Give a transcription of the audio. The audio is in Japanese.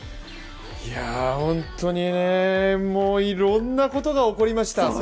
本当にね、いろんなことが起こりました。